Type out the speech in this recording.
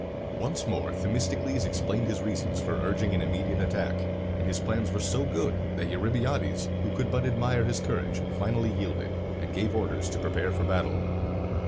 Once more Themistocles explained his reasons for urging an immediate attack; and his plans were so good, that Eurybiades, who could but admire his courage, finally yielded, and gave orders to prepare for battle.